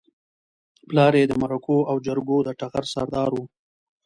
پلار يې د مرکو او جرګو د ټغر سردار و.